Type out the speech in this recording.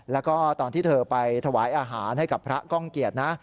แล้วก็ตอนที่เธอไปถวายอาหารให้กับพระก้องเกียจนะ